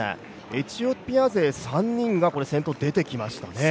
エチオピア勢３人が先頭出てきましたね。